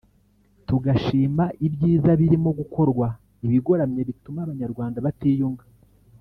tugashima ibyiza birimo gukorwa ibigoramye bituma Abanyarwanda batiyunga